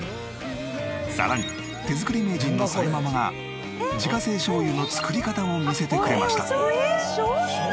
さらに手作り名人のさえママが自家製しょう油の作り方を見せてくれました。